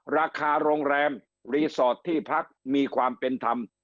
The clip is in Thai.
ราคาโรงแรมรีสอร์ทที่พักมีความเป็นธรรม